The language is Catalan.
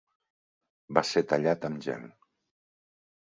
Va ser tallat amb gel.